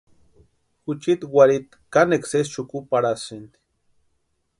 Juchiti warhiti kanekwa sésï xukuparhasïnti.